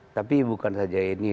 tapi bukan saja ini